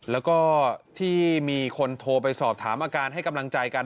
แล้วก็ที่มีคนโทรไปสอบถามอาการให้กำลังใจกัน